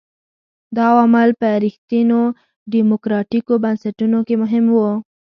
دا عوامل په رښتینو ډیموکراټیکو بنسټونو کې مهم وو.